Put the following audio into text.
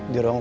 di ruang su